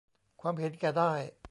ความเห็นแก่ได้